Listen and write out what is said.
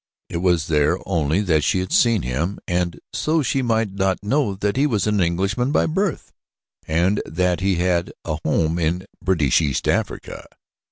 It was there only that she had seen him and so she might not know that he was an Englishman by birth, and that he had had a home in British East Africa.